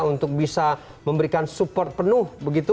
untuk bisa memberikan support penuh begitu